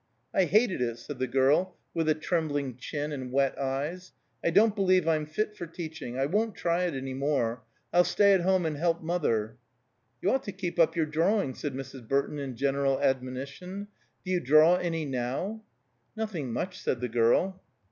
"I hated it," said the girl, with a trembling chin and wet eyes. "I don't believe I'm fit for teaching. I won't try it any more; I'll stay at home and help mother." "You ought to keep up your drawing," said Mrs. Burton in general admonition. "Do you draw any now?" "Nothing much," said the girl.